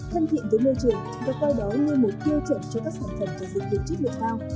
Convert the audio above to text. thân thiện với môi trường và coi đó như một tiêu chuẩn cho các sản phẩm và dịch vụ chất lượng cao